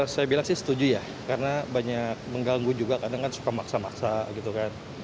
saya bilang sih setuju ya karena banyak mengganggu juga kadang kan suka maksa maksa gitu kan